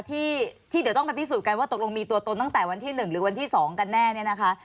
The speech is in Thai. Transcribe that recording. ที่เดี๋ยวต้องไปพิสูจน์กันว่าตกลงมีตัวตนตั้งแต่วันที่๑หรือวันที่๒กันแน่เนี่ยนะคะ